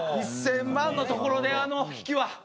１０００万のところであの引きは。